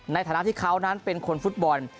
ในฐานะที่เขานั้นเป็นคนฟุตบอล